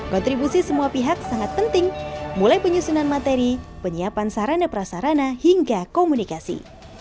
kontribusi semua pihak sangat penting mulai penyusunan materi penyiapan sarana prasarana hingga komunikasi